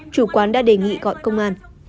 chủ quán đã đề nghị gọi công an